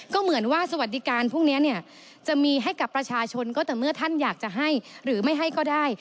ก็เหมือนว่าสวัสดิการพวกนี้เนี่ยจะมีให้กับประชาชนก็แต่เมื่อท่านอยากจะให้หรือไม่ให้ก็ได้